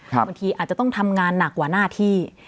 บางทีอาจจะต้องทำงานหนักกว่าหน้าที่